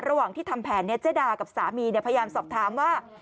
ระหว่างที่ทำแผนเจดากับสามีพยายามสอบถามว่า